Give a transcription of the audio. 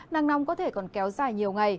nắng nóng có thể còn kéo dài nhiều ngày